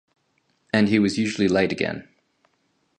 And he was usually late again.